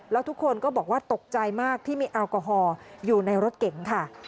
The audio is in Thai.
แล้วทุกคนก็บอกว่าตกใจมากที่มีแอลกอฮอล์อยู่ในรถเก๋งค่ะ